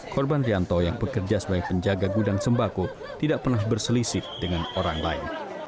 korban rianto yang bekerja sebagai penjaga gudang sembako tidak pernah berselisih dengan orang lain